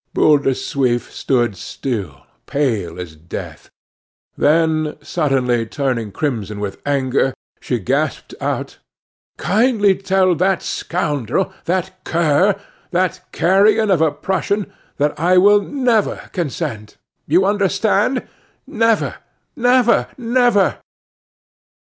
Boule de Suif stood still, pale as death. Then, suddenly turning crimson with anger, she gasped out: "Kindly tell that scoundrel, that cur, that carrion of a Prussian, that I will never consent you understand? never, never, never!"